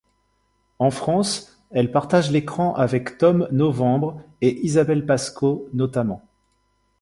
En France, elle partage l'écran avec Tom Novembre et Isabelle Pasco notamment.